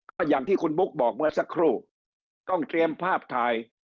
ก็อย่างที่คุณบุ๊คบอกเมื่อสักครู่ต้องเตรียมภาพถ่าย